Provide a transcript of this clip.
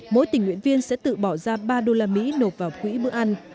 mỗi tình nguyện viên sẽ tự bỏ ra ba đô la mỹ nộp vào quỹ bữa ăn